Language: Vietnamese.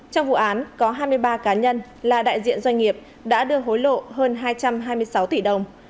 trong vụ án có hai mươi ba cá nhân là đại diện doanh nghiệp đã đưa hối lộ hơn hai trăm hai mươi sáu tỷ đồng